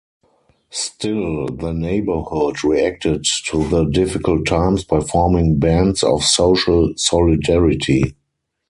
Still, the neighbourhood reacted to the difficult times by forming bands of social solidarity.